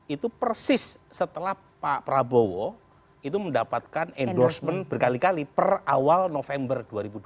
itu persis setelah pak prabowo itu mendapatkan endorsement berkali kali per awal november dua ribu dua puluh